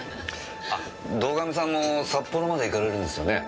堂上さんも札幌まで行かれるんですよね？